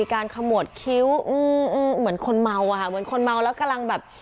ขมวดคิ้วอืมเหมือนคนเมาอะค่ะเหมือนคนเมาแล้วกำลังแบบ